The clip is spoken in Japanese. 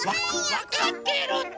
わかってるって！